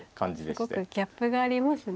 すごくギャップがありますね。